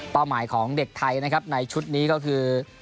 เป้าหมายของเด็กไทยในชุดนี้ก็คือ